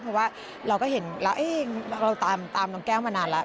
เพราะว่าเราก็เห็นแล้วเราตามน้องแก้วมานานแล้ว